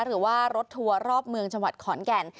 หรือว่ารถทัวร์รอบเมืองจังหวัดขอนแก่น